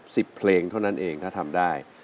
เพลงเท่านั้นเองถ้าทำได้